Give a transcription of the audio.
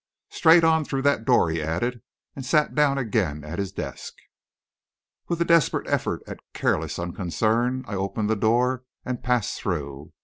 "Straight on through that door," he added, and sat down again at his desk. With a desperate effort at careless unconcern, I opened the door and passed through.